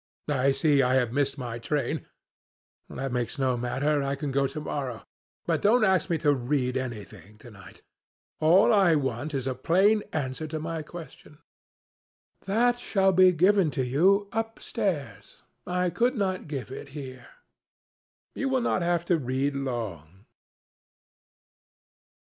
I see I have missed my train. That makes no matter. I can go to morrow. But don't ask me to read anything to night. All I want is a plain answer to my question." "That shall be given to you upstairs. I could not give it here. You will not have to read long."